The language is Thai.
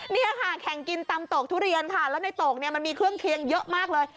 นี่ค่ะแข่งกินตำตกทุเรียนค่ะแล้วในตกเนี่ยมันมีเครื่องเคียงเยอะมากเลย